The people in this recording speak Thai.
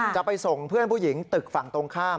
จะไปส่งเพื่อนผู้หญิงตึกฝั่งตรงข้าม